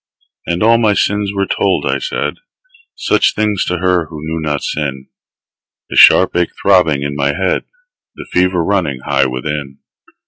And all my sins were told; I said Such things to her who knew not sin The sharp ache throbbing in my head, The fever running high within.